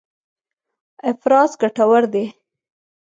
افراز ګټور دی.